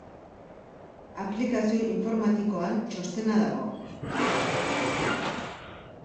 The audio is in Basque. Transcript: Aplikazio informatikoan txostena dago.